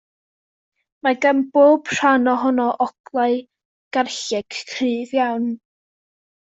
Mae gan bob rhan ohono oglau garlleg cryf iawn.